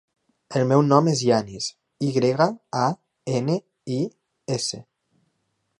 El meu nom és Yanis: i grega, a, ena, i, essa.